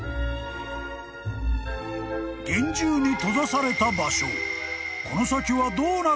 ［厳重に閉ざされた場所］